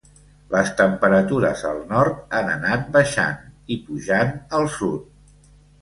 Les temperatures al nord han anat baixant i pujant al sud.